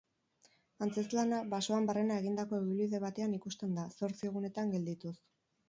Antzezlana basoan barrena egindako ibilbide batean ikusten da, zortzi gunetan geldituz.